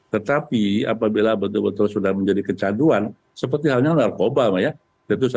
tetapi apabila betul betul sudah menjadi kecanduan seperti halnya narkoba ya tentu saja ada pengobatan yang disebut dan yang dihubungkan